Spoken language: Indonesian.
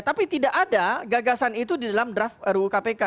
tapi tidak ada gagasan itu di dalam draft ru kpk